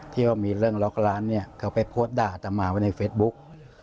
ที่ว่ามีเรื่องล็อกร้านเนี่ยเขาไปโพสต์ด่าอัตมาไว้ในเฟซบุ๊ก